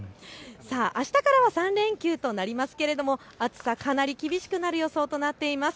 あしたからは３連休となりますけれど暑さ、かなり厳しくなる予想となっています。